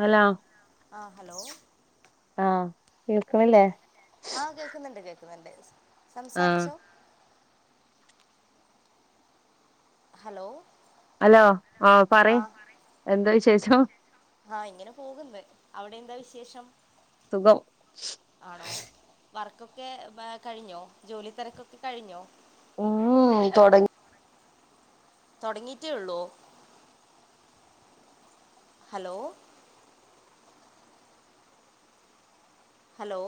Hello ആഹ് hello ആഹ് കേൾക്കണില്ലേ ആഹ് കേക്കുന്നെണ്ട് കേക്കുന്നെണ്ട്. ആഹ് സംസാരിച്ചോ ഹലോ ഹലോ ആഹ് പറയ് എന്താ വിശേഷി [unintelligible] ആഹ് ഇങ്ങനെ പോകുന്ന് അവടെ എന്താ വിശേഷം? സുഖം ആണോ വർക്കൊക്കെ ഏഹ് കഴിഞ്ഞോ, ജോലി തെരക്കൊക്കെ കഴിഞ്ഞോ? ഉം തൊടങ്ങി തുടങ്ങീട്ടേ ഉള്ളോ? ഹലോ ഹലോ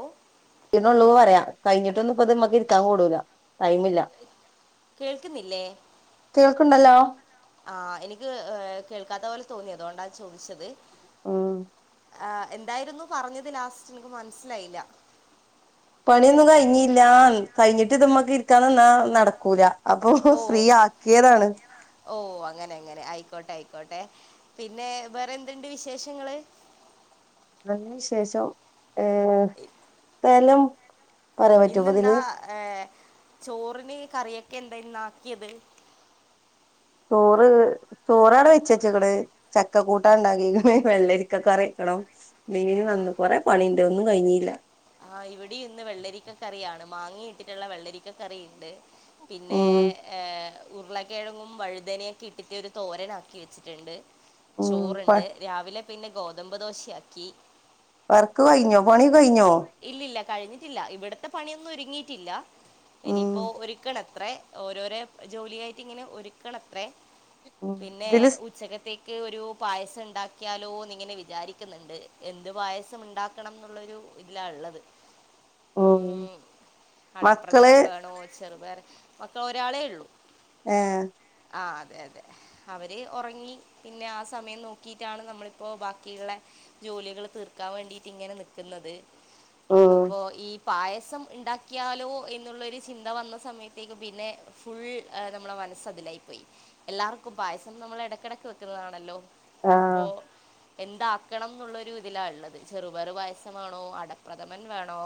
ഈണുള്ളൂ പറയാ, കഴിഞ്ഞിട്ടൊന്നും ഇപ്പ ഇത് ഇമക്ക് ഇരിക്കാൻ കൂടൂല ടൈമില്ല. കേൾക്കുന്നില്ലേ? കേൾക്ക്ണ്ടല്ലോ ആഹ് എനിക്ക് ഏഹ് കേൾക്കാത്ത പോലെ തോന്നി, അതുകൊണ്ടാ ചോദിച്ചത്. ഉം ഏഹ് എന്തായിരുന്നു പറഞ്ഞത് ലാസ്റ്റ് എനിക്ക് മനസ്സിലായില്ല. പണിയൊന്നും കഴിഞ്ഞീലാ കഴിഞ്ഞിട്ട് ഇത്മ്മക്ക് ഇരിക്കാൻ നിന്നാ നടക്കൂല. അപ്പൊ ഓ ഫ്രീ ആക്കിയതാണ്. ഓ അങ്ങനെ അങ്ങനെ ആയിക്കോട്ടെ ആയിക്കോട്ടെ പിന്നെ വേറെ എന്തുണ്ട് വിശേഷങ്ങള്? നല്ല വിശേഷം ആഹ് ഫലം ഇന്നെന്താ ഏ ചോറിന് കറിയൊക്കെ എന്താ ഇന്ന് ആക്കിയത് ചോറ് ചോറാടെ വെച്ച് വെച്ചേക്കണ് ചക്കക്കൂട്ടാൻ ഉണ്ടാക്കിയേക്കണ് വെള്ളരിക്ക കറി വക്കണം മീന് വന്ന് കൊറെ പണിയുണ്ട് ഒന്നും കഴിഞ്ഞില്ല ആഹ് ഇവിടെയും ഇന്ന് വെള്ളരിക്ക കറിയാണ് മാങ്ങയിട്ടിട്ടുള്ള വെള്ളരിക്ക കറി ഉണ്ട് പിന്നേ ഉം ഏ ഉരുളക്കിഴങ്ങും വഴുതനയൊക്കെ ഇട്ടിട്ട് ഒരു തോരനാക്കി വെച്ചിട്ടുണ്ട് ഉം ചോറണ്ട് രാവിലെ പിന്നെ ഗോതമ്പ് ദോശയാക്കി വർക്ക് കഴിഞ്ഞൊ പണി കഴിഞ്ഞോ ഇല്ലില്ല കഴിഞ്ഞിട്ടില്ല ഇവിടത്തെ പണിയൊന്നും ഒരുങ്ങിയിട്ടില്ല ഉം ഇനിയിപ്പോ ഒരുക്കണം അത്രേ ഓരോരോ ജോലിയായിട്ടിങ്ങനെ ഒരുക്കണത്രേ ഉം പിന്നെ ഇതില് ഉച്ചക്കത്തേക്ക് ഒരു പായസം ഉണ്ടാ ക്കിയാലോന്നിങ്ങനെ വിചാരിക്കുന്നിണ്ട് എന്ത് പായസം ഉണ്ടാക്കണം എന്നുള്ളൊരു ഇല്ല ഒള്ളത് ഉം ഊമ് മക്കള് അടപ്രഥമൻ വേണോ രു ചെറുപയറെ മക്ക ഒരാളേ ഉള്ളൂ ആഹ് ആ അതെ അതെ അവരെ ഒറങ്ങി പിന്നെ ആ സമയം നോക്കിയിട്ടാണ് നമ്മളിപ്പോൾ ബാക്കിയുള്ള ജോലികൾ തീർക്കാൻ വേണ്ടിയിട്ടി ങ്ങനെ നിക്കുന്നത് ഉം അപ്പൊ ഈ പായസം ഉണ്ടാക്കിയാലോ എന്നുള്ളൊരു ചിന്ത വന്ന സമയത്തേക്ക് പിന്നെ ഫുൾ ഏ നമ്മളുടെ മനസ്സതിലായി പോയി എല്ലാവർക്കും പായസം നമ്മൾ ഇടക്കിടക്ക് വെക്കുന്നതാണല്ലോ അപ്പൊ ആഹ് എന്താക്കണംന്നുള്ളൊരു ഇതിലാ ഉള്ളത് ചെറുപറു പായസം വേണോ [unintelligible] അടപ്രഥമൻ വേണോ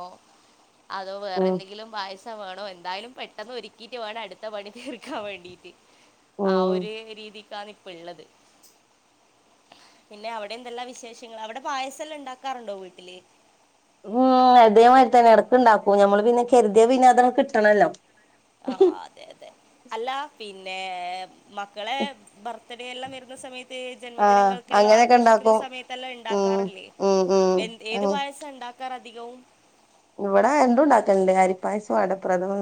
അതോ ഉം വേറെന്തെങ്കിലും പായസം വേണോ എന്തായാലും പെട്ടെന്ന് ഒരുക്കീട്ടുവേണം അടുത്ത പണി തീർക്കാൻ വേണ്ടീട്ട് ആ ഉം ഒരേ രീതി കാനി ഉള്ളത് പിന്നെ അവിടെ എന്തെല്ലാ വിശേഷങ്ങള് അവിടെ പായസെല്ലാം ഉണ്ടാക്കാറുണ്ടോ വീട്ടില് ഉം അതേമായിരി തന്നെ ഇടക്ക് ഉണ്ടാക്കൂ നമ്മള് പിന്നെ കെരുതിയാ പിന്നെ അതങ്ങ് കിട്ടണല്ലോ ആ അതെ അതെ അല്ല പി ന്നേ മക്കളെ ബർ ത്ഡേയെല്ലാം വരുന്ന സമയത് ആഹ് ജന്മദിനങ്ങൾക്കെല്ലാം അങ്ങനെയൊക്കെ ആഘോഷിക്കുന്ന ഇണ്ടാക്കും സമയത്തല്ലാം ഉം ഉണ്ടാക്കാറില്ലെ ഉം ഏത് ഉം പായസമാ ഉണ്ടാക്കാറ് അധികവും ഇവിടെ എന്തും ഉണ്ടാക്കലുണ്ട് അരി പായസവും അട പ്രഥമനും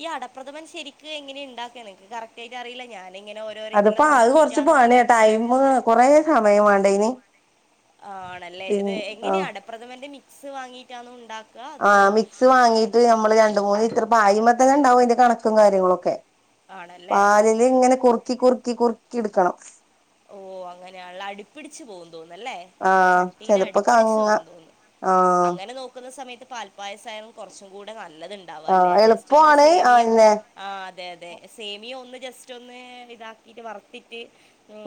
ഈ അടപ്രഥമൻ ശരിക്കും എങ്ങിനെയുണ്ടാക് ചിലർക്ക് കറക്റ്റായിട്ടറിയില്ല ഞാൻ അതിപ്പോ ആയ് കൊറച്ച് പണീട്ടോ ടൈം പോവും കൊറേ സമയം വേണ്ടെ അയിന് ആണല്ലേ പിന്നെ ഇത് ആ എങ്ങനെയാ അടപ്രഥമന്റെ മി ക്സ് വാങ്ങീട്ടാണുണ്ടാക് ആ മിക്സ് വാങ്ങീട്ട് നമ്മള് രണ്ടു മൂന്ന് ത്ര അയിമ്മേ തന്നുണ്ടാവും അതിന്റെ കണക്കും കാര്യങ്ങളൊക്കെ ആണല്ലേ പാലില് ഇങ്ങനെ കുറുക്കി കുറുക്കി കുറു ക്കിടുക്കണം ഓ അങ്ങനെയാണല്ലെ അടിപ്പിടിച്ചു പോകും ന്നുന്നല്ലേ ആ ചട്ടീല് ചെലപ്പോ അടിപ്പിടിച്ചു കങ്ങ പോകുന്ന് തോന്നുന്നു ആ അങ്ങനെ നോക്കുന്ന സമയ പാൽപ്പായസായാലും കൊറച്ചുംകൂടെ [unintelligible] ആ നല്ലതുണ്ടാവാലെ ജസ്റ്റൊന്ന് എളുപ്പമാണ് ആ സേമിയ പിന്നെ ആ അതെ അതെ സേമിയ ഒന്ന് ജസ്റ്റൊന്ന് ഇതാകി ഇത് വറുത്തിട്ട്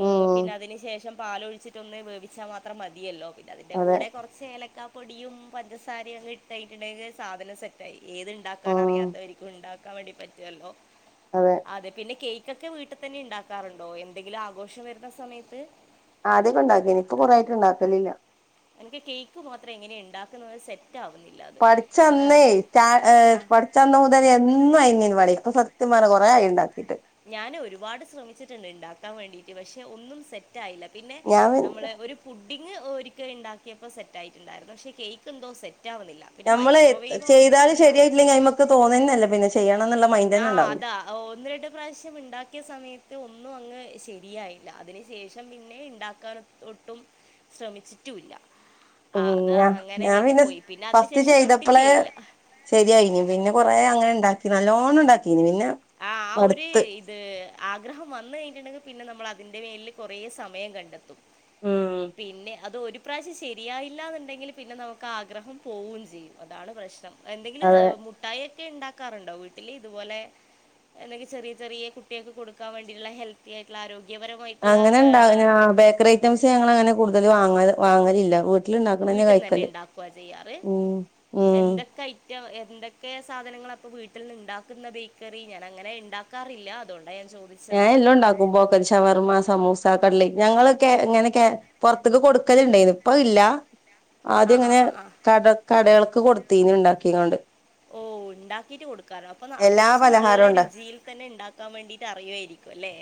ഉം പിന്നെ അതിന് ശേഷം പാലൊഴിച്ചിട്ടൊന്ന് വേവിച്ചാ മാത്രം മതിയല്ലോ പിന്നെ അതിന്റെ അതെ കൂടെ കൊറച്ച്ഏലക്കാ പൊടിയും പഞ്ചസാരെയും അങ്ങ് ഇട്ടയ്ഞ്ഞിട്ടുണ്ടെങ്കിൽ സാധനം സെറ്റായി ഏത്ണ്ടാക്കാൻ ഉം അറിയാത്തവരിക്കും ഉണ്ടാ കാവടി പറ്റുവല്ലോ അതെ പിന്നെ കേക് ചക്ക വീട്ട് തന്നെ ണ്ടാക്കാറ്ണ്ടോ എന്തെങ്കിലാ ഘോഷം വരുന്ന സമയത്ത് ആദ്യൊക്കെ ണ്ടാക്കീനി ഇപ്പൊ കൊറെ ആയിട്ട് ഉണ്ടാക്കുന്നില്ല എനിക്ക് കേക്ക് മാത്രം എങ്ങനെ ണ്ടാക്കുന്നത് സെറ്റ് ആവുന്നില്ല അത് ആ, പഠിച്ചന്നേ ച ഏ ആ, പഠിച്ചന്ന് മുതല് എന്നും അയ്ങ്കൻവാടിയിൽ പോ ഇപ്പോ സത്യംപറഞ്ഞാ കൊറെ ആയി ണ്ടാക്കീട്ട് ഞാന് ഒരുപാട് ശ്രമിച്ചിട്ടുണ്ട് ഇണ്ടാക്കാൻ വേണ്ടീട്ട് പക്ഷെ ഒന്നും സെറ്റ ക്കയില്ല പിന്നെ ഞാൻ പി നമ്മള് ഒരു പു ഡിങ്ങ് ഒരിക്കെ ഇണ്ടാക്കിയപ്പോ സെറ്റായിട്ടുണ്ടായിരുന്നു പക്ഷേ കേക്ക് എന്തോ സെറ്റ നമ്മള് ചെയ്താല് ശരിയായിട്ടില്ലെങ്കില് അയ്മക്ക് തോന്നന്നെല്യാ പിന്നെ ചെ ആ അതാ ഒന്ന് രണ്ട് പ്രാവശ്യം ഇണ്ടാക്യാ സമയത് ഒന്നും അങ്ങ് ശരിയായില്ല അതിന് ശേഷം പിന്നെ ഇണ്ടാക്കാനൊട്ടും ശ്രമിച്ചിട്ടുല്ല ഉം ആഹ് അത് ഞ അങ്ങനെ ഞാൻ പിന്നെ പോയി അതിന് ഫസ്റ്റ് ശേഷം ചെയ്തപ്പളെ തൊട്ടിട്ടേ ഇല്ല ശെരിയായിനി പിന്നെ കൊറെ അങ്ങന ണ്ടാക്കി നല്ലോണണ്ടാക്കീനി പിന്നെ ആ ആ ഒര് മടുത്ത് ഇത് ആഗ്രഹം വന്ന് കഴിഞ്ഞിട്ട്ണ്ടെങ്കി പിന്നെ നമ്മൾ അതിന്റെ മേൽല് കൊറേ സമയം കണ്ടെത്തും ഉം പിന്നെ അത് ഒരു ഇപ്രാവശ്യം ശരിയായില്ലാ ന്ന്ണ്ടെങ്കില് പിന്നെ നമുക്ക് ആഗ്രഹം പോവും ചെയ്യും അതാണ് പ്രശ്നം എന്തെങ്കിലു അതെ മുഠായി ക്കെ ഇണ്ടാക്കാറ്ണ്ടോ വീട്ടില് ഇതുപോലെ എന്തെങ്കി ചെറിയ ചെറിയ കുട്യേക്ക് കൊടുക്കാ വേണ്ടിട്ടുള്ള ഹെൽത്തി ആയിട്ടുള്ള ആരോഗ്യാ അങ്ങനെ ഇണ്ടാ ബേക്കറി ഐറ്റംസ് ഞങ്ങളങ്ങനെ കൊടു വാങ്ങ വാങ്ങാലില്ല വീട്ട്ന്നന്നെ ഇണ്ടാക്കുവാ ചെയ്യാറ് ഉം ഉം എന്തൊക്കെ ഐറ്റ എന്തൊക്കെ സാധനങ്ങളാ അപ്പോ വീട്ട്ൽന്ന് ഇണ്ടാക്കുന്ന ബേക്കറി ഞാൻ അങ്ങനെ ഇണ്ടാക്കാറില്ല അതൊ ഞാൻ എല്ലം ണ്ടാക്കും ബോക്കറ്റ് ഷവർമ, സമൂസാ കലി ഞങ്ങളൊക്കെ എങ്ങനൊക്കെ പുറത്തക്ക് കൊടുക്കലണ്ടായിരുന്നു ഇപ്പ ഇല്ല ആ ആദ്യം ആ ഇങ്ങനെ ആ ആ കട കടകൾ കൊടുതീന ഉണ്ടാക്കിയണ്ട് ഓ ഉണ്ടാക്കിട്ട് കൊടു കാരണം അപ്പൊ എല്ലാ അത്യാവശ്യം നല്ല പലഹാരവും ഉണ്ടാ രുചിയിൽ തന്നെ ഇണ്ടാക്കാൻ വേണ്ടീട്ട് അറിയുവായിരിക്കും അല്ലെ?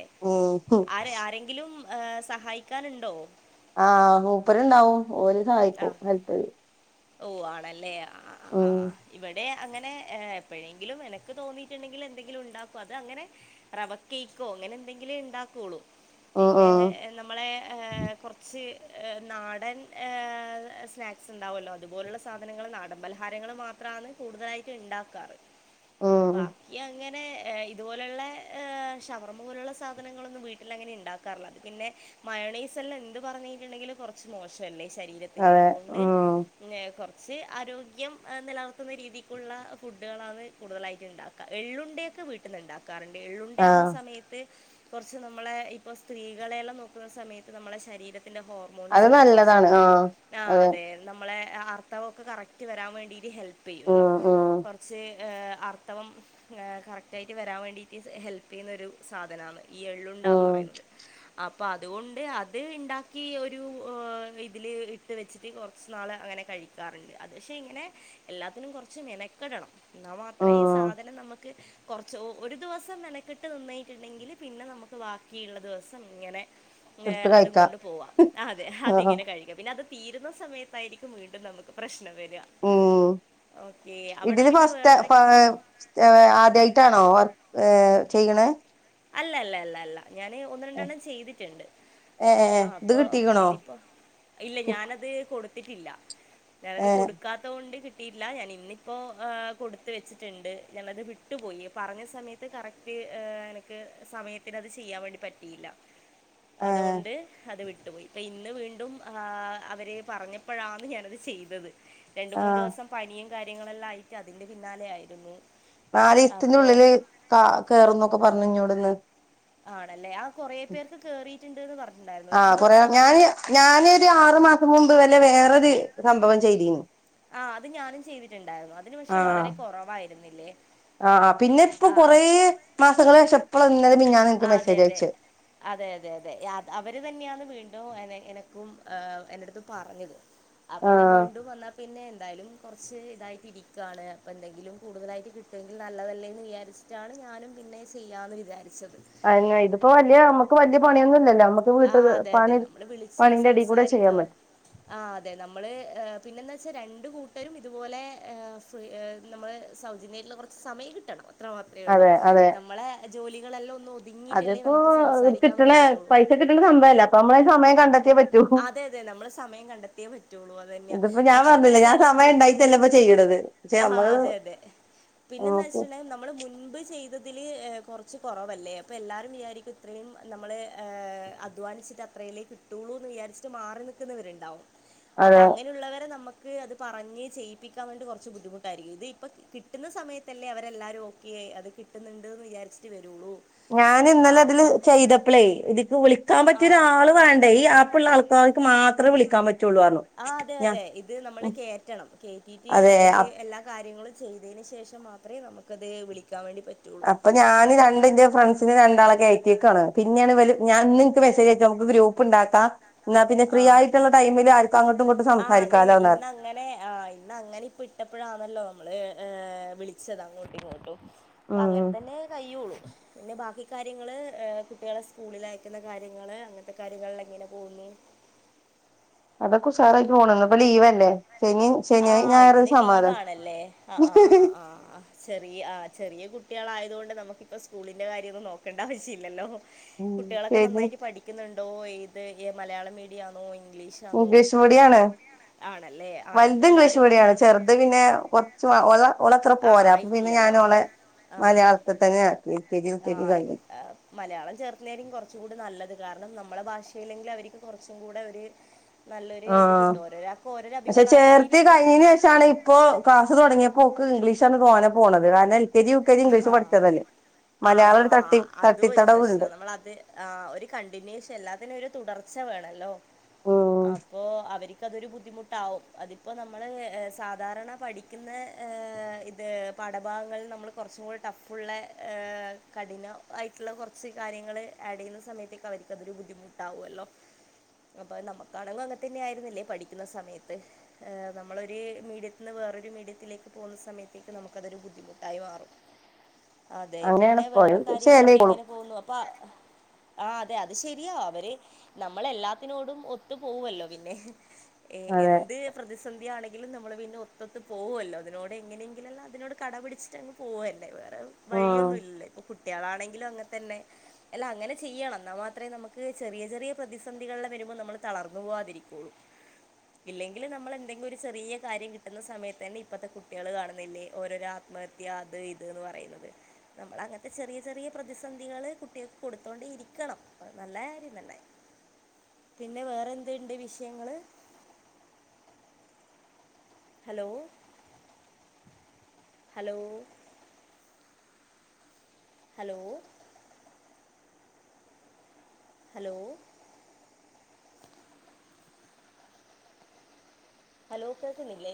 ഉം ആരെ ആരെങ്കിലും ഏഹ് സഹായിക്കാനുണ്ടോ? ആഹ് മൂപ്പര് ഇണ്ടാവും. ഓല് സഹായിക്കും ഹെൽപ്പെയ്യും. ഓ ആണല്ലേ അ ആഹ് ആഹ് ഇവിടെ അങ്ങനെ എ എപ്പെഴെങ്കിലും എനക്ക് തോന്നീട്ട്ണ്ടെങ്കിൽ എന്തെങ്കിലും ഇണ്ടാക്കും, അത് അങ്ങനെ റവ കേയ്ക്കോ അങ്ങനെ എന്തെങ്കിലെ ഇണ്ടാക്കുള്ളൂ. ഉം പിന്നെ ഉം നമ്മളെ ഏഹ് കൊറച്ച് ഏഹ് നാടൻ ഏഹ് സ്നാക്സ് ഇണ്ടാവല്ലോ അ അതുപോലുള്ള സാധനങ്ങൾ നാടൻ പലഹാരങ്ങൾ മാത്രാണ് കൂടുതലായിട്ട് ഇണ്ടാക്കാറ്. ഉം ബാക്കിയങ്ങന ഏ ഇതുപൊലുള്ളേ ഏ ഷവർമ്മ പോലുള്ള സാധനങ്ങളൊന്നും വീട്ടിൽങ്ങനെ ഇണ്ടാക്കാറില്ല പിന്നെ മയോണീസല്ലാം എന്ത് പറഞ്ഞിട്ടുണ്ടെങ്കിലും കുറച്ച് മോശല്ലേ ശരീരത്തിനെ അതെ അതുകൊണ്ട് ഉം കുറച്ച് ആരോഗ്യം എ നിലനിർത്തുന്ന രീതിക്കുള്ള ഫുഡുകളാണ് കൂടുതലായിട്ടും ഉണ്ടാക്കുക എള്ളുണ്ടയൊക്കെ വീട്ടിൽ ഉണ്ടാക്കും കറണ്ട് എള്ളുണ്ട ആകുന്ന ആഹ് സമയത്ത് കുറച്ച് നമ്മളെ ഇപ്പൊ സ്ത്രീകളെയെല്ലാം നോക്കുന്ന സമയത്ത് നമ്മടെ ശരീരത്തി ന്റെ അത് ഹോർമോൺസെല്ലാം കുറച്ച് നല്ലതാണ് നല്ല ആഹ് ആ അതെ നാ നമ്മളെ അർത്തവം ഒക്കെ കറക്റ്റ് വരാൻ വേണ്ടിട്ട് ഹെൽപ് ഹെല്പ് ചെയുവല്ലോ ഉം ഉം കുറച്ച് ഏ അർത്ഥവം കറക്റ്റായിട്ട് വരാൻ വേണ്ടിയിട്ട് ഹെൽപ്പ് ചെയ്യുന്നൊരു സാധനാണ് ഈ എള്ളുണ്ടാന്ന് ഉം പറയുന്നത് അപ്പോം അതുകൊണ്ട് അത് ഉണ്ടാക്കി ഒരു ഇതിൽ ഇട്ട് വെച്ചിട്ട് കുറച്ച് കുറച്ച്നാള് അങ്ങനെ കഴിക്കാറുണ്ട് അത് പക്ഷെ ഇങ്ങനെ എല്ലാത്തിനും കുറച്ച് മെനക്കടണം എന്നാ മാത്രേ ഈ ഉം സാധനം നമുക്ക് കുറച്ച് ഒരു ദിവസം മെനക്കെട്ട് നിന്നിട്ടുണ്ടെങ്കിൽ പിന്നെ നമുക്ക് ബാക്കിയുള്ള ദിവസം ഇങ്ങനെ അല്ലെ എടുത്ത് അതും കഴിക്കാം കൊണ്ട് പോവാം അതെ ആഹ് അതിങ്ങനെ കഴിക്കാം പിന്നെ അത് തീരുന്ന സമയത്ത് തായിരിക്കും വീണ്ടും നമുക്ക് പ്രശ്നം വ ഉം അവിടെ ഇതിന് പിന്നെ ഫസ്റ്റ് വേറെന്തൊക്കെ? ഏ ആദ്യായിട്ടാണോ വർ ഏഹ ചെയ്യണേ അല്ല അല്ല അല്ല അല്ല ഞാന് ഒന്ന് രണ്ടെണ്ണം ചെയ്തിട്ടുണ്ട് ഏ ഏ ഇത് അപ്പൊ കിട്ടീക്കണോ ഇതിപ്പോ ഇല്ല ഞാനത് കൊടു ഇട്ടിട്ടില്ല ഞാനത് ഏ കൊടുക്കാത്ത കൊണ്ട് കിട്ടിയില്ല ഞൻ ഇന്നിപ്പോ ഏ കൊടുത്ത് വെച്ചിട്ടുണ്ട് ഞാനത് വിട്ടുപോയി പറഞ്ഞ സമയത്ത് കറക്റ്റ് ഏ ക്ക് സമയത്തിന് അത് ചെയ്യാൻ വേണ്ടി പറ്റിയില്ല ആ അതുകൊണ്ട് അത് വി വിട്ടു പോയി ഇപ്പ ഇന്ന് വീണ്ടും ആ അവര് പറഞ്ഞപ്പോഴാണ് ഞാനത് ചെയ്തത് രണ്ട് ആ മൂന്ന് ദിവസം പനിയും കാര്യങ്ങളെല്ലാം ആയിട്ട് അതിൻ്റെ പിന്നാലെ ആയിരുന്നു അപ്പൊ നാലിസത്തിനുള്ളിൽ ക കേറുന്നൊക്കെ പറഞ്ഞു എവിടുന്ന് ആണല്ലേ ആ കൊറേ പേർക്ക് കേറി ണ്ട്ട്ട് യെന്നു പറഞ്ഞി ആ കൊറെ ഞാന് ഞാന് ഒരു ആറു മാസം മുമ്പ് വേ വേറൊരു സംഭവം ചെയ്തീന് ആഹ് അത് ഞാനും ചെയ്തിട്ടുണ്ടായിരുന്നു അതിന് പക്ഷെ വളരെ കൊറവായി രുന്നില്ലേ ആഹ് ആഹ് പിന്നെ ഇപ്പൊ കൊറെ മാസങ്ങള് ശേഷാ ഇപ്പ് [unintelligible] ആഹ് അതെ അതെ അതെ അതെ അതെ അ അവര് തന്നെയാന്ന് വീണ്ടും എനക്ക് പ്പും ഏ എന്റെടുത്ത് പറഞ്ഞത് അപ്പൊ ആ ഞാൻ വീണ്ടും ന്നാ പിന്നെ എന്തായാലും കൊറച്ച് ഇതായിട്ട് ഇരിക്കണ് അപ്പോൾ എന്തെങ്കിലും കൂടുതലായിട്ട് കിട്ടുമെങ്കിൽ നല്ലതല്ലേന്ന് വിചാരിച്ചിട്ടാണ് ഞാനും പിന്നെ ചെയ്യാന്ന് വിചാരിച്ചത് അ ഇതിപ്പോ വലിയ നമുക്ക് വലിയ പണിയൊന്നും ഇല്ലല്ലോ നമുക്ക് വീട്ട് ആഹ് അതെ അതെ പണി നമ്മള് വിളിച്ച് പണീന്റെ എടീ കൂടെ ചെയ്യാൻ സംസാരിക്കാ പറ്റും ആ അതെ നമ്മള് പിന്നെന്ത ച്ച രണ്ട് കൂട്ടരും ഇതുപോലെ ഫ്ര് നമ്മൾ സൗജന്യട്ട്ല്ല കൊറച്ച് സമയം കിട്ടണം അത്ര മാത്രെഒള്ളൂ അതെ അതെ നമ്മളെ ജോലികളെല്ലാം ഒന്നും ഒതുങ്ങിയിറ്റല്ലേ അതിപ്പോ നമ്മക്ക് സംസാരിക്കാൻ വേണ്ടി പറ്റുള്ളൂ മല്ലേ അപ്പോ നമ്മ സമയം കണ്ട അതെ അതെ നമ്മള് സമയം കണ്ടെത്തിയേ പറ്റുള്ളൂ അത് തന്നെയാ ഇതിപ്പോ ഞാൻ പക്ഷേന്ന് പറഞ്ഞില്ല ഞാൻ വെച്ചാല് സമയം നമ്മള് മുൻപ് ഉണ്ടായിട്ടല്ല ഇപ്പൊ ചെയ്യണത് പക്ഷെ ആഹ് നമ്മള് അതെ അതെ നോക്ക് പിന്നെന്താച്ചിട്ടുണ്ടെ നമ്മള് മുൻ്..... ബു ചെയ്തതിൽ കുറച്ച് കുറവല്ലേ അപ്പോ എല്ലാരും വിചാരിക്കും ഇത്രയും നമ്മൾ അധ്വാനിച്ചിട്ട് അത്രേല്ലെ കിട്ടുള്ളൂ ന്ന് വിചാരിച്ചട്ട് മാറി നിൽക്കുന്നവരുണ്ടാവും അപ്പൊ അതെ അങ്ങനെയുള്ളവരെ നമ്മ.... ക്ക് അത് പറഞ്ഞ് ചെയ്യിപ്പിക്കാൻ വേണ്ടി കുറച്ച് ബുദ്ധിമുട്ടായിരിക്കും ഇത് ഇപ്പം കിട്ടുന്ന സമയത്തല്ലേ അവരെല്ലാവരും ഓക്കെ അത് കിട്ടുന്നുണ്ട് എന്ന് വിചാരിച്ചി്ട്ട് വരു... ഞാൻ ഇന്നലെ അതില് ചെയ്തപ്ളേ ഇതിക്ക് വിളിക്കാൻ ആ പറ്റിയൊരാൾ വേണ്ടേ ഈ ആപ്പുള്ളൾ ക്ക് മാത്രേ വിളിക്കാൻ പറ്റ് ആ അതെ അതെ ഇത് നമ്മള് കേറ്റണം കേറ്റീറ്റ് അതെ അതില് അപ്- എല്ലാ കാര്യങ്ങളും ചെയ്തെന് ശേഷം മാത്രമേ നമുക്കത് വിളിക് അപ്പ ഞാന് രണ്ട് എന്റെ ഫ്രണ്ട്സിനെ രണ്ടാളെ കെയ്റ്റെക്കാണ് പിന്നെയാണ് ഇവെര് ഞാൻ ഇന്ന് ഇൻക്ക് മെസെജ് അയ്ച്ച് ഞമ്മെക്ക് ഗ്രൂപ്പ് ഇണ്ടാക്കാ ആഹ് ഫ്രീ ആയിറ്റ് ഇള്ള ടൈമിൽ ആർക്കും ഇങ്ങോട്ടും അങ്ങെട്ടും ആഹ് അതെ സംസാരിക്കാലോ എന്ന് ഇന്ന് പറഞ്ഞു. അങ്ങനെ ആഹ് ഇന്ന് അങ്ങനെ ഇപ്പ ഇട്ടപ്പഴാണെല്ലോ നമ്മെൾ ഏഹ് വിളിച്ചെതാ അങ്ങോട്ടും ഇങ്ങോട്ടും അപ്പ അങ്ങെൻ ഉം തെന്നെ കഴിയുള്ളു പിന്നെ ബാക്കി കാര്യങ്ങെൾ കുട്ടിയാളെ സ്കൂളിൽ അയക്കുന്ന കാര്യങ്ങെൾ അങ്ങെൻത്തെ കാര്യങ്ങെളിൽ അങ്ങെനെ പോവുന്നു അതൊക്കെ ഉസാറായി പോണ് ഇന്ന് ഇപ്പ ലീവ് അല്ലെ? ആഹ് ഇന്ന് ലീവാ ആണ് അല്ലെ ആഹ് ആഹ് ആഹ് ആഹ് ആഹ് ആഹ് ആഹ് ചെറിയ ആഹ് ചെറിയ കുട്ടിയാൾ ആയതോണ്ട് നമുക്കിപ്പോ സ്കൂളിന്റെ കാര്യ ഒന്നും നോക്കെണ്ട ആവശ്യയില്ലല്ലോ? കുട്ടിയാളൊക്കെ ശരി നന്നായിട്ട് പഠിക്ക്ന്ന് ഇണ്ടോ ഏത് എ മലയാള മീഡിയാന്നോ ഇൻ ഇംഗ്ലീഷാന്നോ? ഇംഗ്ലീഷ് മീഡിയം ആണ്. ആണ് അല്ലെ? ആയി ഇത് ഇംഗ്ലീഷ് മീഡിയാണ് ചെറ്ത് പിന്നെ കൊർച്ച് [unintelligible] ഓൾ അത്ര ആഹ് പോരാ അപ്പ പിന്നെ ഞാൻ ആയിട്ടില്ലല്ലോ ഓളെ ആഹ് മലയാളത്ത് തെന്നെ ആക്കിയെ ആഹ് എ് മലയാളം ചേർത്ത്‌ന്നെയ്ര്ക്കും കൊർച്ച് കൂടെ നല്ലെത് കാരണം നമ്മളെ ഭാഷ [unintelligible] ല്ലെങ്കിലെ അവര്ക്ക് കൊറച്ച് കൂടെ ഒര് ആ പക്ഷെ ചേർത്തി അഭിപ്രായമായിരിക്കും കഴിഞ്ഞേന് ശേഷാണ് ഇപ്പോ ക്ലാസ് തുടങ്ങിയ ഇപ്പ ഓക്ക് ഇംഗ്ലീഷങ്ങൊട്ട് തോനെ പോണത് കാരണം L K G U K G English ആഹ് പഠിച്ചതല്ലേ മലയാളം ഒരു ആഹ് തട്ടി അതും ഒരു പ്രശ്ന തട്ടിത്തടവുണ്ട് നമ്മളത് ആ ഒരു കണ്ടിന്യൂവേഷൻ എല്ലാത്തിനും ഒരു തുടർച്ച വേണോല്ലോ ഉം ഹലോ അപ്പൊ അവര് ക്കതൊരു ബുദ്ധിമുട്ടാവും അതിപ്പൊ നമ്മള് സാധാരണ പഠിക്കുന്ന എ ഇത് പഠഭാഗങ്ങളിൽ നമ്മള് കുറച്ചും കൂടെ ടഫുള്ളെ എ കഠിനമായിട്ടുള്ള കുറച്ച് കാര്യങ്ങള് ആഡ് ചെയ്യുന്ന സമയത്തേക്ക് അവരക്കതൊരു ബുദ്ധിമുട്ടാകുവല്ലോ അപ്പോം നമുക്കാണെങ്കും അങ്ങനെ തന്നെ ആയിരുന്നില്ലേ പഠിക്കുന്ന സമയത്ത് നമ്മളൊരു മീഡിയത്തിന്ന് വേറൊരു മീഡിയത്തിലേക്ക് പോകുന്ന സമയത്തേക്ക് നമുക്കതൊരു ബുദ്ധിമുട്ടായി മാറും അതെ അങ്ങനെയാണ് പിന്നെ ഇപ്പോ ഒരു വേറെ കാര്യങ്ങളൊക്കെ ശീലായിക്കോളും എങ്ങനെ പോന്നു അപ്പ ആ അതെ അത് ശരിയാ അവര് നമ്മളെല്ലാത്തിനോടും ഒത്തു പോവല്ലോ പിന്നെ ഏ അതെ എന്ത് പ്രതിസന്ധിയാണെ ങ്കിലും നമ്മള് പിന്നെ ഒത്തൊത്ത് പോകുവല്ലോ അതിനോട് എങ്ങനെങ്കിലെല്ലാം അഅതിനോട് കട പിടിച്ചിട്ടങ്ങ് പോവല്ലേ വേ റെ ഉം വഴിയൊന്നും ഇല്ലല്ലോ ഇനി കു ട്ടികളാണെങ്കിലും അങ്ങനെ തന്നെ അല്ല അങ്ങനെ ചെയ്യണം എന്നാ മാത്രമേ നമുക്ക് ചെറിയ ചെറിയ പ്രതിസന്ധികള് വരുമ്പോ നമ്മള് തളർന്നു പോവാതിരിക്കുള്ളൂ ഇല്ലെങ്കില് നമ്മളെന്തെങ്കിലും ഒരു ചെറിയ കാര്യം കിട്ടുന്ന സമയത്ത് തന്നെ ഇപ്പത്തെ കുട്ടികള് കാണുന്നില്ലേ ഓരോരോ ആത്മഹ ത്യ അത് ഇതന്ന് പറയുന്നത് നമ്മളങ്ങനത്തെ ചെറിയ ചെറിയ പ്രതിസന്ധികള് കുട്ടികൾക്ക് കൊടുത്തോണ്ടേ ഇരിക്കണം നല്ലാര്യന്നല്ലെ പിന്നെ വേറെ എന്തുണ്ട് വിഷയങ്ങള് hello hello hello hello hello കേക്കുന്നില്ലേ